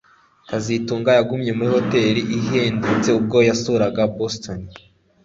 kazitunga yagumye muri hoteri ihendutse ubwo yasuraga Boston